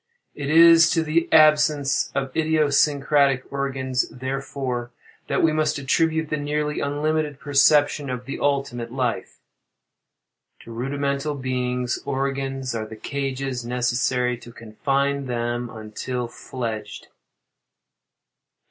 It is to the absence of idiosyncratic organs, therefore, that we must attribute the nearly unlimited perception of the ultimate life. To rudimental beings, organs are the cages necessary to confine them until fledged.